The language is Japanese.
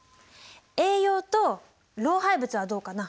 栄養と老廃物はどうかな？